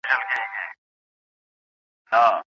سياسي مشران بايد د هېواد لپاره ليرې ليد ولري.